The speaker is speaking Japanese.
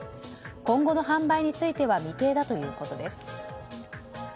今後の販売については未定だということです。